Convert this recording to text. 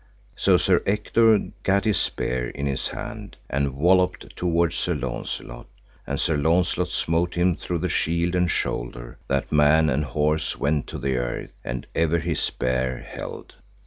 So Sir Ector gat his spear in his hand and walloped toward Sir Launcelot, and Sir Launcelot smote him through the shield and shoulder, that man and horse went to the earth, and ever his spear held.